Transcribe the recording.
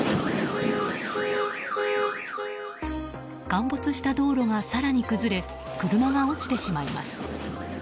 陥没した道路が更に崩れ車が落ちてしまいます。